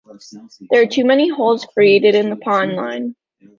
There are too many holes created in the Pawn line.